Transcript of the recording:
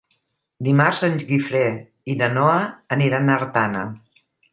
Dimarts en Guifré i na Noa aniran a Artana.